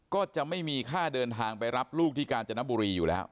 ก็จะไม่มีค่าเดินทางไปรับลูกที่กาญจนบุรีอยู่แล้ว